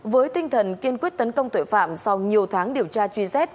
với tinh thần kiên quyết tấn công tội phạm sau nhiều tháng điều tra truy xét